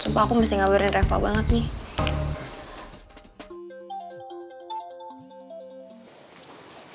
sumpah aku mesti ngabarin reva banget nih